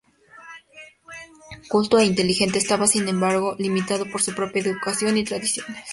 Culto e inteligente, estaba sin embargo limitado por su propia educación y tradiciones.